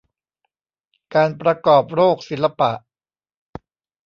การประกอบโรคศิลปะ